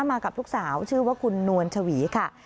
มากับลูกสาวชื่อว่าคุณนวลชวีค่ะ